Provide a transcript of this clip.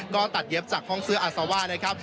ก็ตัดเย็บจากห้องซื้ออาซาว่านะครับ